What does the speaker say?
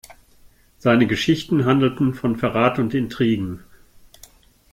Seine Geschichten handelten von Verrat und Intrigen.